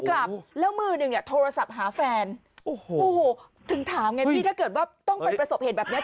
กลับแล้วมือหนึ่งเนี่ยโทรศัพท์หาแฟนโอ้โหถึงถามไงพี่ถ้าเกิดว่าต้องไปประสบเหตุแบบเนี้ย